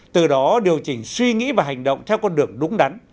từ đó điều chỉnh suy nghĩ và hành động theo con đường đúng đắn